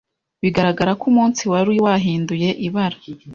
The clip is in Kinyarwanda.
bigaragara ko umunsi wari wahinduye ibara,